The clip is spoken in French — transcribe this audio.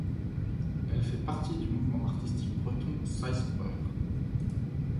Elle fait partie du mouvement artistique breton Seiz Breur.